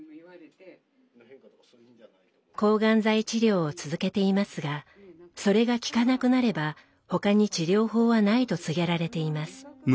抗がん剤治療を続けていますがそれが効かなくなればほかに治療法はないと告げられています。